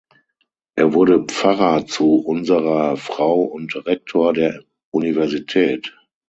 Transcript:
Er wurde Pfarrer zu Unserer Frau und Rektor der Universität.